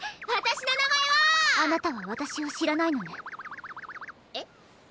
わたしの名前はあなたはわたしを知らないのねえっ？